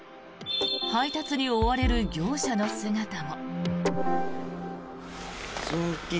配達に追われる業者の姿も。